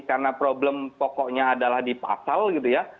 karena problem pokoknya adalah di pasal gitu ya